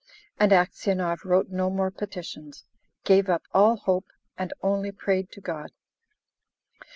And Aksionov wrote no more petitions; gave up all hope, and only prayed to God.